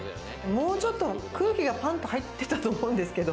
もうちょっと空気がパンと入ってたと思うんですけど。